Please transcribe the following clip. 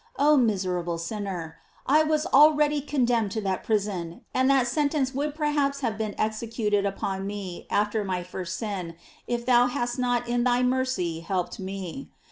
Oh miserable sinner I I was already condemned to that prison, and that sentence would perhaps have been ex ecuted upon me after my first sin, if thou hadst not in thy mercy helped me.